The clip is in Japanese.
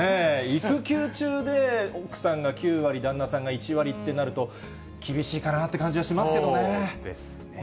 育休中で、奥さんが９割、旦那さんが１割ってなると、厳しいかなそうですね。